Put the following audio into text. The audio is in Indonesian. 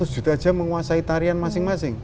seratus juta aja menguasai tarian masing masing